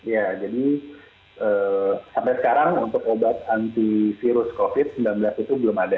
ya jadi sampai sekarang untuk obat antivirus covid sembilan belas itu belum ada